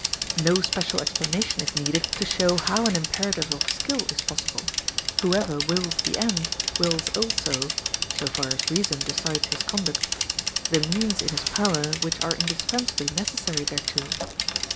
No special explanation is needed to show how an imperative of skill is possible. Whoever wills the end, wills also (so far as reason decides his conduct) the means in his power which are indispensably necessary thereto.